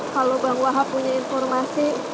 kalau bang waha punya informasi